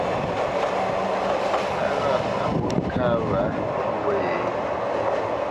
A ghâʼ à ghǔt ŋkə̌t wâ á lwô ye.